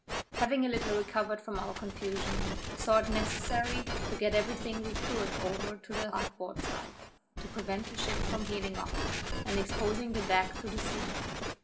Having a little recovered from our confusion, saw it necessary to get every thing we could over to the larboard side, to prevent the ship from heeling off, and exposing the deck to the sea.